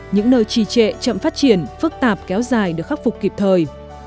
những nơi trì trệ chậm phát triển phức tạp kéo dài được khắc phục kịp thời